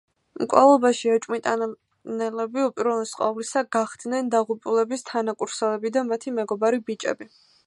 მკვლელობაში ეჭვმიტანილები უპირველეს ყოვლისა გახდნენ დაღუპულების თანაკურსელები და მათი მეგობარი ბიჭები.